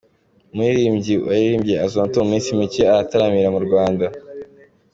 Umuriribyi waririmbye Azonto mu minsi mike arataramira mu Rwanda